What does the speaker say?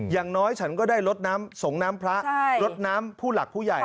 อย่างน้อยฉันก็ได้ลดน้ำสงน้ำพระลดน้ำผู้หลักผู้ใหญ่